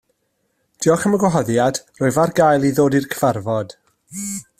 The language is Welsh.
Diolch am y gwahoddiad, rwyf ar gael i ddod i'r cyfarfod.